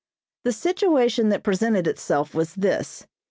The situation that presented itself was this.